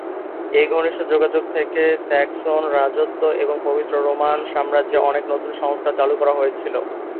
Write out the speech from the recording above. এই ঘনিষ্ঠ যোগাযোগ থেকে স্যাক্সন রাজত্ব এবং পবিত্র রোমান সাম্রাজ্যে অনেক নতুন সংস্কার চালু করা হয়েছিল।